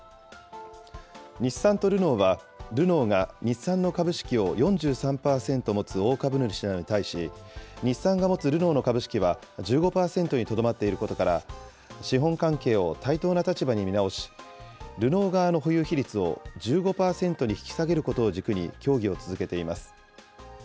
日産とルノーは、ルノーが日産の株式を４３％持つ大株主なのに対し、日産が持つルノーの株式は１５％にとどまっていることから、資本関係を対等な立場に見直し、ルノー側の保有比率を１５％に引き下げることを軸に協議を続けています。